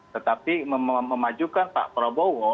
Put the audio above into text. tetapi memajukan pak prabowo